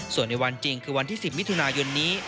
ส่วนในวันจริงคือวันที่๑๐มิถุนายนนี้